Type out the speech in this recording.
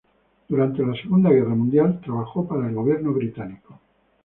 Durante la Segunda Guerra Mundial trabajó para el gobierno británico.